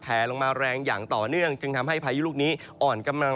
ลงมาแรงอย่างต่อเนื่องจึงทำให้พายุลูกนี้อ่อนกำลัง